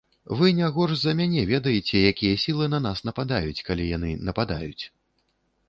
Вы не горш за мяне ведаеце, якія сілы на нас нападаюць, калі яны нападаюць.